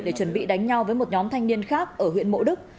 để chuẩn bị đánh nhau với một nhóm thanh niên khác ở huyện mộ đức